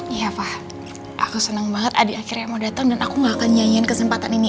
iya pak aku seneng banget adi akhirnya mau dateng dan aku gak akan nyanyiin kesempatan ini